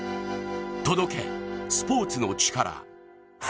「届け、スポーツのチカラ」。